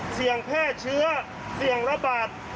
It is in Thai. แพร่เชื้อเสี่ยงระบาด